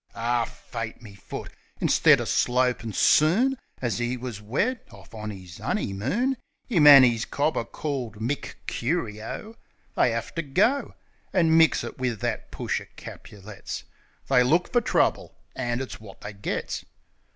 Aw! Fate me foot! Instid of slopin' soon As 'e was wed, off on 'is 'oneymoon, 'Im an' 'is cobber, called Mick Curio, They 'ave to go An' mix it wiv that push o' Capulets. They look fer trouble; an' it's wot they gets.